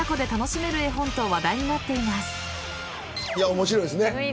面白いですね。